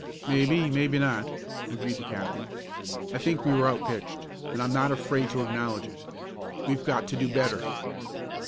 "Maybe maybe not," agreed the captain. "I think we were outpitched, and I'm not afraid to acknowledge it. We've got to do better!"